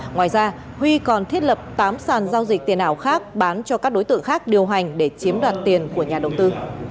ngoài ra huy còn thiết lập tám sàn giao dịch tiền ảo khác bán cho các đối tượng khác điều hành để chiếm đoạt tiền của nhà đầu tư